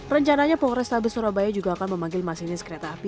rencananya polrestabes surabaya juga akan memanggil masinis kereta api